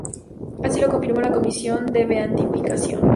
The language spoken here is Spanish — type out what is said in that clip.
Así lo confirmó la Comisión de Beatificación.